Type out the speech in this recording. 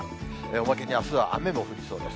おまけにあすは雨も降りそうです。